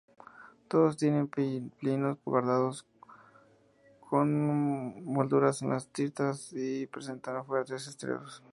Todas tienen plintos cuadrados con molduras en las aristas y presentan fustes estriados.